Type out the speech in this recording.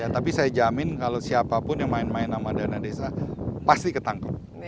tapi saya jamin kalau siapapun yang main main sama dana desa pasti ketangkep